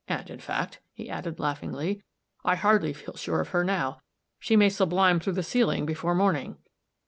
And in fact," he added laughingly, "I hardly feel sure of her now. She may sublime through the ceiling before morning."